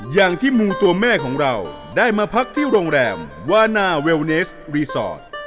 อย่างที่มูตัวแม่ของเราได้มาพักที่โรงแรมวานาเวลเนสรีสอร์ท